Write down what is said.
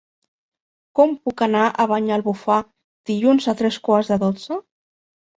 Com puc anar a Banyalbufar dilluns a tres quarts de dotze?